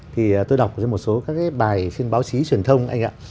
thì tôi đọc trên một số các bài trên báo chí truyền thông